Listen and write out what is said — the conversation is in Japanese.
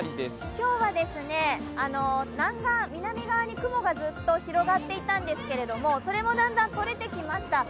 今日は南側に雲が広がっていたんですけれども、それもだんだんとれてきました。